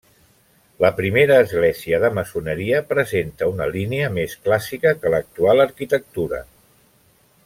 La primera església de maçoneria presenta una línia més clàssica que l'actual arquitectura.